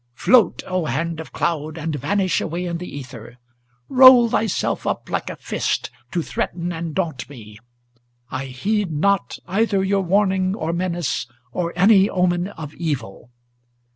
Float, O hand of cloud, and vanish away in the ether! Roll thyself up like a fist, to threaten and daunt me; I heed not Either your warning or menace, or any omen of evil!